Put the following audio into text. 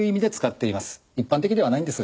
一般的ではないんですが。